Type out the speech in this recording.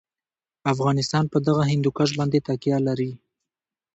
افغانستان په دغه هندوکش باندې تکیه لري.